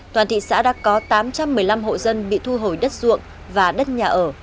toàn thị xã đã có tám trăm một mươi năm hộ dân bị thu hồi đất ruộng và đất nhà ở